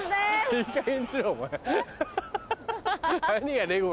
いいかげんにしろお前ハハハ。